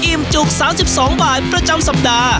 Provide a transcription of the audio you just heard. จุก๓๒บาทประจำสัปดาห์